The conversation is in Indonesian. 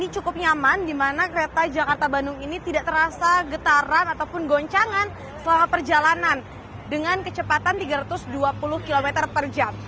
ini cukup nyaman di mana kereta jakarta bandung ini tidak terasa getaran ataupun goncangan selama perjalanan dengan kecepatan tiga ratus dua puluh km per jam